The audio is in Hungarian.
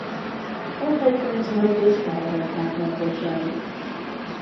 Manhattant nagyrészt elhagyták lakosai.